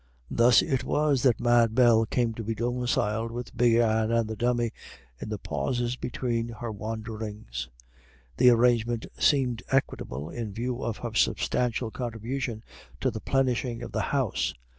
Thus it was that Mad Bell came to be domiciled with Big Anne and the Dummy in the pauses between her wanderings. The arrangement seemed equitable in view of her substantial contribution to the plenishing of the house.